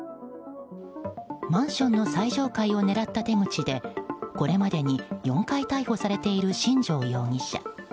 マンションの最上階を狙った手口でこれまでに４回逮捕されている新城容疑者。